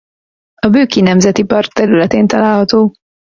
A Bükki Nemzeti Park területén található.